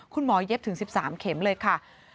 คุณหมอเย็บถึง๑๓เข็มเลยค่ะ